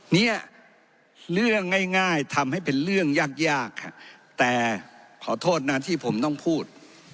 เนี่ยเรื่องง่ายทำให้เป็นเรื่องยากยากแต่ขอโทษนะที่ผมต้องพูด